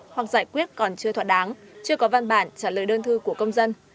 hoặc giải quyết còn chưa thoạt đáng chưa có văn bản trả lời đơn thư của công dân